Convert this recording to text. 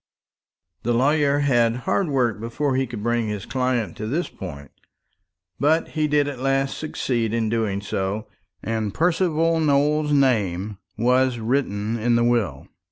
The lawyer had hard work before he could bring his client to this point; but he did at last succeed in doing so, and Percival Nowell's name was written in the will.